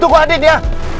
tungkra andin ya